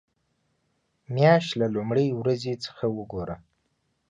مياشت له لومړۍ ورځې څخه ګوره.